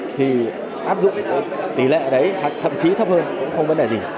thì áp dụng tỷ lệ đấy thậm chí thấp hơn cũng không vấn đề gì